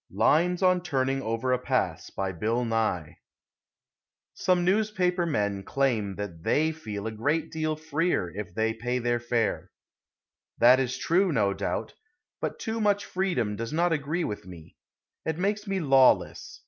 _" Lines on Turning Over a Pass Some newspaper men claim that they feel a great deal freer if they pay their fare. That is true, no doubt; but too much freedom does not agree with me. It makes me lawless.